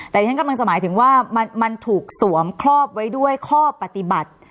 แต่ที่ฉันกำลังจะหมายถึงว่ามันถูกสวมครอบไว้ด้วยข้อปฏิบัติ